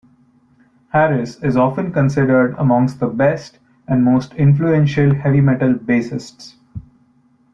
Harris is often considered among the best and most influential heavy metal bassists.